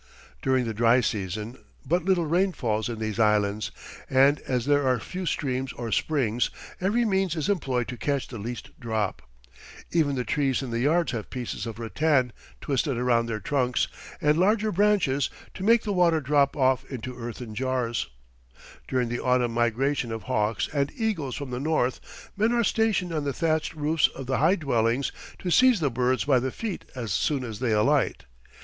During the dry season but little rain falls in these islands, and as there are few streams or springs, every means is employed to catch the least drop. Even the trees in the yards have pieces of rattan twisted around their trunks and larger branches, to make the water drop off into earthen jars. [Illustration: WOMAN OF THE BATAN ISLANDS WITH GRASS HOOD.] During the autumn migration of hawks and eagles from the north, men are stationed on the thatched roofs of the high dwellings to seize the birds by the feet as soon as they alight.